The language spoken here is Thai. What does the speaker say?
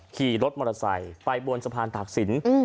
ขี่รถมอเตอร์ไซค์ไปบนสะพานตากศิลป์